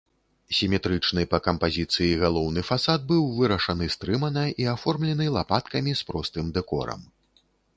Сіметрычны па кампазіцыі галоўны фасад быў вырашаны стрымана і аформлены лапаткамі з простым дэкорам.